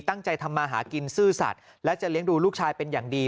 ตั้งใจทำมาหากินซื่อสัตว์และจะเลี้ยงดูลูกชายเป็นอย่างดี